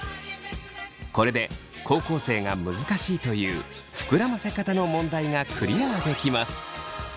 これで高校生が難しいという膨らませ方の問題がクリアできます。